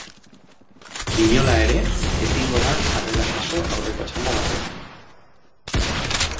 Inola ere ezingo da sarrera jaso aurreko txanda batean.